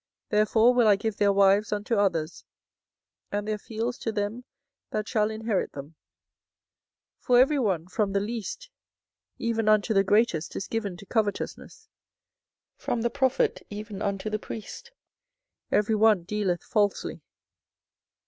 24:008:010 Therefore will I give their wives unto others, and their fields to them that shall inherit them: for every one from the least even unto the greatest is given to covetousness, from the prophet even unto the priest every one dealeth falsely.